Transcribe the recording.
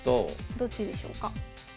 どっちでしょうか。